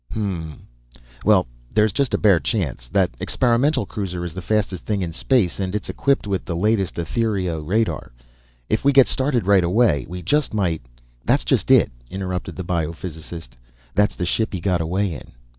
"Hm m m! Well there's just a bare chance. That experimental cruiser is the fastest thing in space and it's equipped with the latest ethero radar. If we get started right away, we just might " "That's just it," interrupted the biophysicist. "That's the ship he got away in."